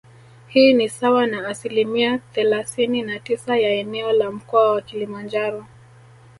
Hii ni sawa na asilimia thelasini na tisa ya eneo la Mkoa wa Kilimanjaro